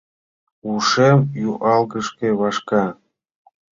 Ушем юалгышке вашка.